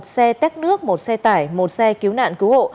một xe tét nước một xe tải một xe cứu nạn cứu hộ